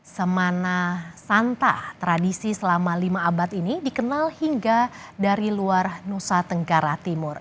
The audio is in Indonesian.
semana santa tradisi selama lima abad ini dikenal hingga dari luar nusa tenggara timur